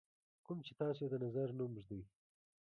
کوم چې تاسو یې د نظر نوم ږدئ.